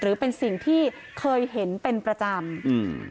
หรือเป็นสิ่งที่เคยเห็นเป็นประจำอืม